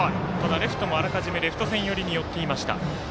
レフトもあらかじめレフト線寄りによっていました。